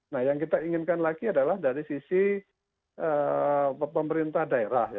nah yang kita inginkan lagi adalah dari sisi pemerintah daerah ya